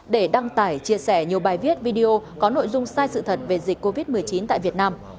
để đăng tải chia sẻ nhiều bài viết video có nội dung sai sự thật về dịch covid một mươi chín tại việt nam